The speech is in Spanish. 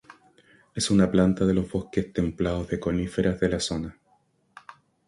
Es una planta de los bosques templados de coníferas de la zona.